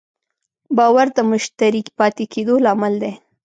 باور د مشتری پاتې کېدو لامل دی.